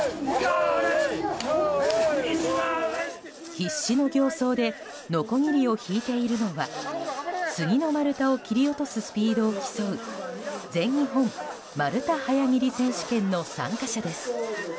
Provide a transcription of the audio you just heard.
必死の形相でのこぎりを引いているのはスギの丸太を切り落とすスピードを競う全日本丸太早切選手権の参加者です。